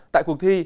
tại cuộc thi